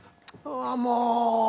ああもう。